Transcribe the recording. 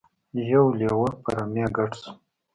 یو لیوه په رمې ګډ شو.